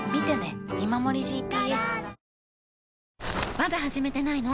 まだ始めてないの？